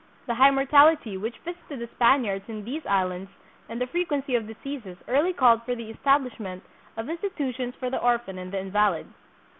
The high mortality which visited the Spaniards in these islands and the frequency of diseases early called for the establishment of institu tions for the orphan and the invalid.